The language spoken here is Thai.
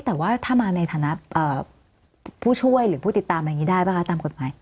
แต่ว่าถ้ามาในฐานะผู้ช่วยหรือผู้ติดตามอะไรอย่างนี้ได้ป่ะคะตามกฎหมาย